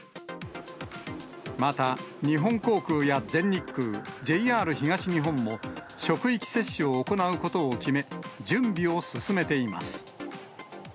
また、日本航空や全日空、ＪＲ東日本も、職域接種を行うことを決め、準備を進めています。